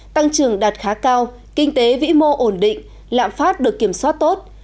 tăng trưởng đạt khá cao kinh tế vĩ mô ổn định lạm phát được kiểm soát tốt